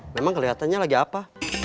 memang kelihatannya lagi apa